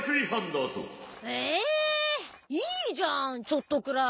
いいじゃんちょっとくらい。